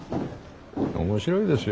面白いですよ。